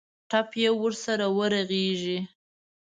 ټپ یې ورسره ورغېږي.